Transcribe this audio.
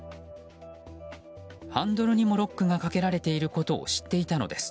ハンドルにもロックがかけられていることを知っていたのです。